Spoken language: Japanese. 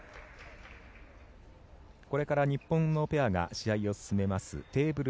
これから日本のペアが試合を進めますテーブル